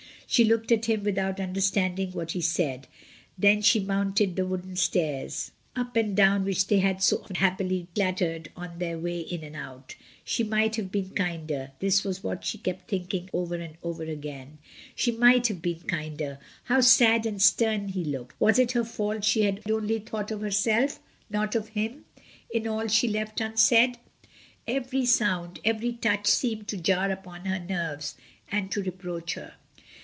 She looked at him with out understanding what he said. Then she moun:ed the wooden stairs, up and down which they had so often happily clattered on their way in and cut She might have been kinder, this was what she kept thinking over and over again; she might have been kinder; how sad and stem he looked, was it her fault she had only thought of herself, not of him, in all she left unsaid? Every sound, ever) touch seemed to jar upon her nerves and to re proach her.